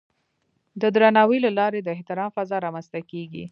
د درناوي له لارې د احترام فضا رامنځته کېږي.